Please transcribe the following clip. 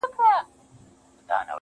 د خالق په انتظار کي يې ويده کړم_